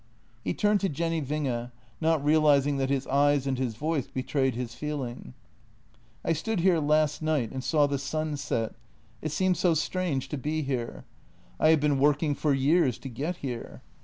He turned to Jenny Winge, not realizing that his eyes and his voice betrayed his feeling. " I stood here last night and saw the sun set; it seemed so strange to be here. I have been working for years to get here.